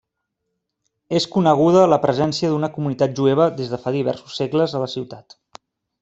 És coneguda la presència d'una comunitat jueva des de fa diversos segles a la ciutat.